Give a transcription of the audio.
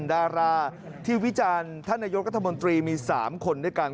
ดาราที่วิจารณ์ท่านนายกรัฐมนตรีมี๓คนด้วยกัน